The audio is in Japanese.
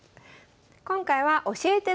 今回は「教えて！